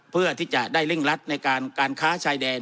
เพื่อที่จะได้เร่งรัดในการค้าชายแดน